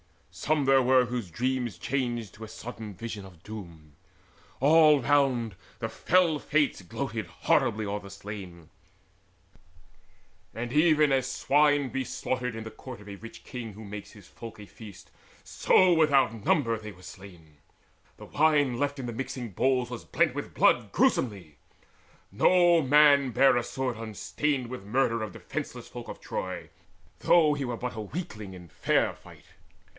Some there were whose dreams Changed to a sudden vision of doom. All round The fell Fates gloated horribly o'er the slain. And even as swine be slaughtered in the court Of a rich king who makes his folk a feast, So without number were they slain. The wine Left in the mixing bowls was blent with blood Gruesomely. No man bare a sword unstained With murder of defenceless folk of Troy, Though he were but a weakling in fair fight.